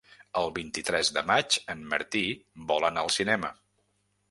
El vint-i-tres de maig en Martí vol anar al cinema.